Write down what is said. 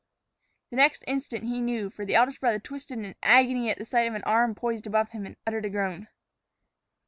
The next instant he knew, for the eldest brother twisted in agony at sight of the arm poised above him and uttered a groan.